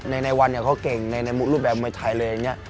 ในวันเขาเก่งในรูปแบบมวยไทยเลยอย่างนี้